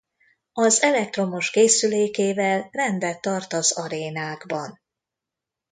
Az elektromos készülékével rendet tart az arénákban.